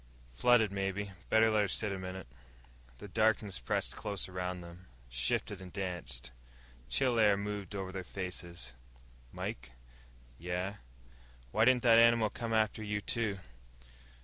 "Flooded, maybe. Better let her sit a minute." The darkness pressed close around them, shifted and danced. Chill air moved over their faces. "Mike." "Yeah." "Why didn't that animal come after, you, too?"